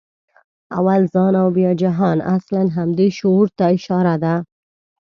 «اول ځان او بیا جهان» اصلاً همدې شعور ته اشاره ده.